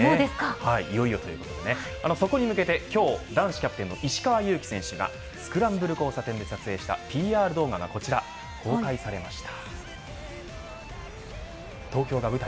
いよいよということでそこに向けて今日、男子キャプテンの石川祐希選手がスクランブル交差点で撮影したＰＲ動画がこちら公開されました。